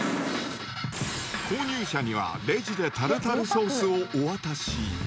購入者にはレジでタルタルソースをお渡し。